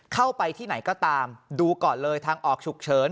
เข้าไปที่ไหนก็ตามดูก่อนเลยทางออกฉุกเฉิน